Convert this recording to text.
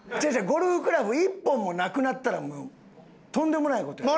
ゴルフクラブ１本もなくなったらとんでもない事や。